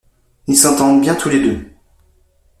Ils s’entendent bien tous les deux.